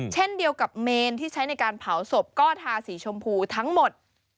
เช่นเดียวกับเมนที่ใช้ในการเผาศพก็ทาสีชมพูทั้งหมด